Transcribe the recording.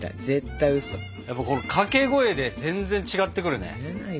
このかけ声で全然違ってくるね。